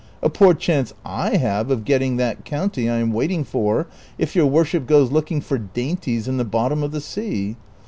A poor chance I have of getting that county I am Avaiting for if your worship goes looking for dainties in the bottom of the sea.